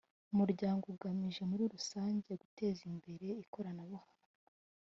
umuryango ugamije muri rusange guteza imbere ikoranabuhanga